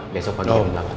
besok pagi yang belakang